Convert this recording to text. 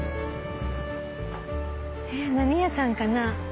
何屋さんかな？